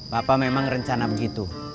papa memang rencana begitu